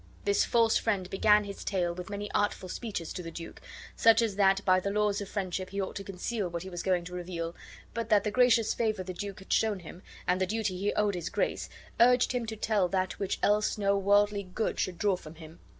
This false friend began his tale with many artful speeches to the duke, such as that by the laws of friendship he ought to conceal what he was going to reveal, but that the gracious favor the duke had shown him, and the duty he owed his grace, urged him to tell that which else no worldly good should draw from him.